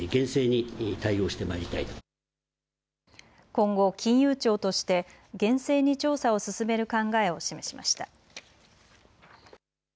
今後、金融庁として厳正に調査を進める考えを示しました。